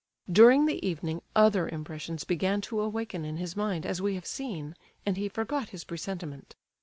During the evening other impressions began to awaken in his mind, as we have seen, and he forgot his presentiment.